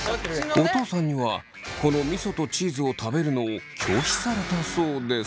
お父さんにはこのみそとチーズを食べるのを拒否されたそうです。